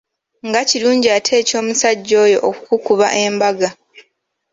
Nga kirungi ate eky’omusajja oyo okukukuba embaga!